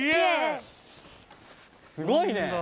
すごいね！